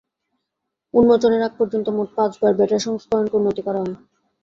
উন্মোচনের আগ পর্যন্ত মোট পাঁচবার বেটা সংস্করণকে উন্নতি করা হয়।